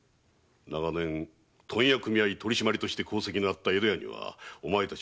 長年問屋組合取締りとして功績のあった江戸屋にはお前達も恩恵を受けてきたはず。